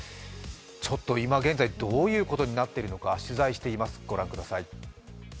ちょっと今現在、どういうことになってるのか取材しています。